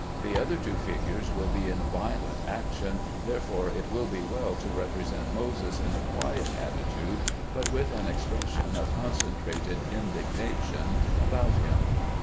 The other two figures will be in violent action, therefore it will be well to represent Moses in a quiet attitude, but with an expression of concentrated indignation about him.